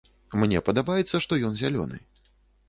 Мне падабаецца, што ён зялёны.